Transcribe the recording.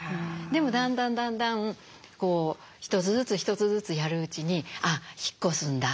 でもだんだんだんだん一つずつ一つずつやるうちに「あっ引っ越すんだ。